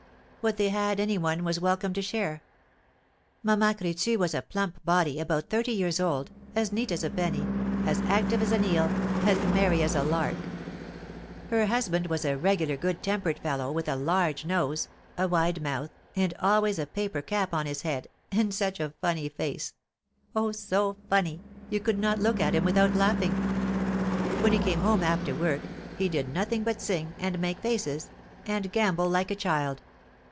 What they had any one was welcome to share. Mamma Crétu was a plump body, about thirty years old, as neat as a penny, as active as an eel, as merry as a lark. Her husband was a regular good tempered fellow, with a large nose, a wide mouth, and always a paper cap on his head, and such a funny face, oh, so funny, you could not look at him without laughing. When he came home after work, he did nothing but sing, and make faces, and gambol like a child.